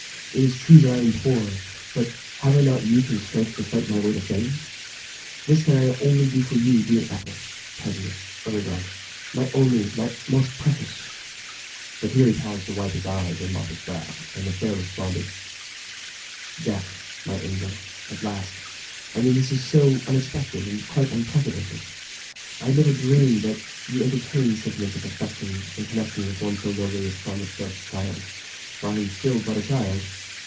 It is true that I am poor, but have I not youth and strength to fight my way to fame? This I can do only for you, dear Ethyl pardon me, Ermengarde—my only, my most precious—" but here he paused to wipe his eyes and mop his brow, and the fair responded: "Jack—my angel—at last—I mean, this is so unexpected and quite unprecedented! I had never dreamed that you entertained sentiments of affection in connexion with one so lowly as Farmer Stubbs' child—for I am still but a child!